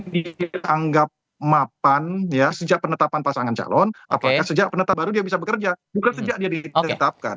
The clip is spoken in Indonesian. dianggap mapan ya sejak penetapan pasangan calon apakah sejak penetapan baru dia bisa bekerja bukan sejak dia ditetapkan